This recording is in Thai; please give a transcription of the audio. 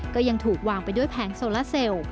ก็ยังถูกวางไปด้วยแผงโซลาเซล